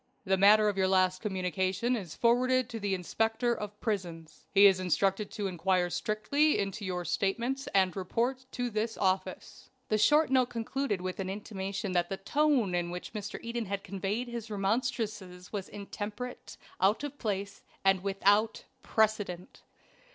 "The matter of your last communication is forwarded to the 'Inspector of Prisons.' He is instructed to inquire strictly into your statements and report to this office." The short note concluded with an intimation that the tone in which Mr. Eden had conveyed his remonstrances was intemperate, out of place, and WITHOUT PRECEDENT.